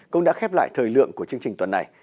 cũng đã khép lại thời lượng của chương trình tuần này